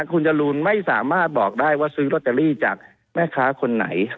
คุณจรูนไม่สามารถบอกได้ว่าซื้อลอตเตอรี่จากแม่ค้าคนไหน